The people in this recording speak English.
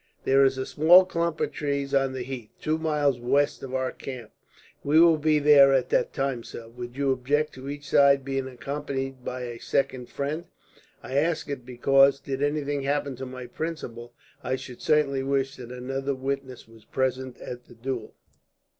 "There is a small clump of trees on the heath, two miles west of our camp." "We will be there at that time, sir. Would you object to each side being accompanied by a second friend? I ask it because, did anything happen to my principal, I should certainly wish that another witness was present at the duel."